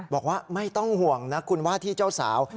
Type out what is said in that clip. บอกว่าไม่ต้องห่วงนะคุณว่าที่เจ้าสาว